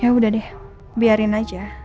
ya udah deh biarin aja